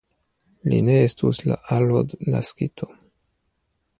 Li ne estus la alodnaskito!